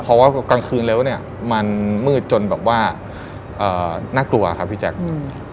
เพราะว่ากลางคืนแล้วเนี้ยมันมืดจนแบบว่าเอ่อน่ากลัวครับพี่แจ๊คอืม